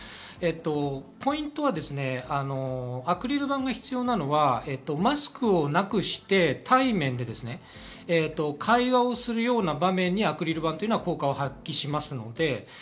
ポイントはアクリル板が必要なのはマスクをなくして、対面で会話をするような場面にアクリル板は効果を発揮します。